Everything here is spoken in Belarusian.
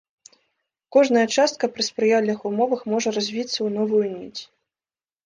Кожная частка пры спрыяльных умовах можа развіцца ў новую ніць.